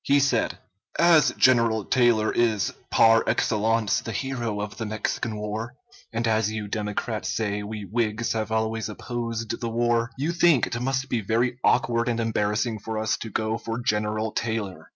He said: As General Taylor is par excellence the hero of the Mexican war, and as you Democrats say we Whigs have always opposed the war, you think it must be very awkward and embarrassing for us to go for General Taylor.